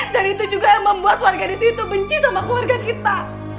dan itu juga yang membuat warga di situ benci sama keluarga kita